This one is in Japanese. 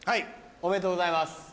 おめでとうございます。